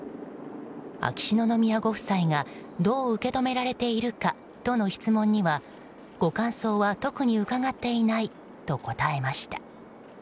秋篠宮ご夫妻がどう受け止められているかとの質問には、ご感想は特に伺っていないと答えました。